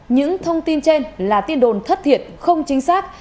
những thông tin trên là tin đồn thất thiệt không chính xác